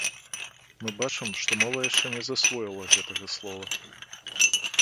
Мы бачым, што мова яшчэ не засвоіла гэтага слова.